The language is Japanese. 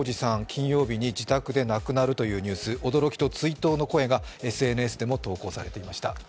金曜日に自宅で亡くなるというニュース、驚きと追悼の声がＳＮＳでもつぶやかれていました。